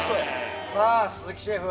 さぁ鈴木シェフ